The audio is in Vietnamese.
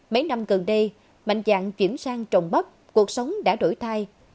mấy năm gần đây mạnh dạng chuyển sang trồng bắp cuộc sống đã đổi thai